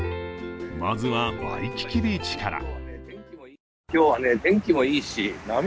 まずは、ワイキキ・ビーチから。